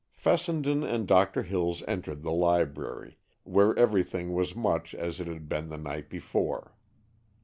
Fessenden and Doctor Hills entered the library, where everything was much as it had been the night before.